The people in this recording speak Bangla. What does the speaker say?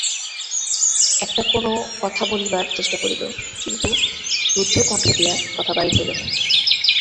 একটা-কোনো কথা বলিবার চেষ্টা করিল, কিন্তু রুদ্ধ কণ্ঠ দিয়া কথা বাহির হইল না।